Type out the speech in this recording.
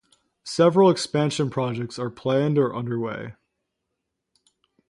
Several expansion projects are planned or underway.